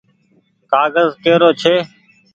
ڪآگز ڪي رو ڇي۔